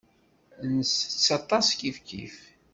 Nsett aṭas kifkif.